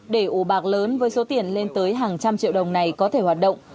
để ủ bạc lớn với số tiền lên tới hàng trăm triệu đồng này có thể hoạt động